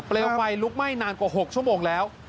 ไฟลุกไหม้นานกว่า๖ชั่วโมงแล้ว